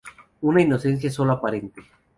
Una inocencia sólo aparente.